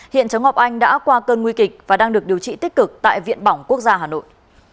hiện cháu ngọc anh đã qua cơn nguy kịch và đang được điều trị tích cực tại viện bỏng quốc gia hà nội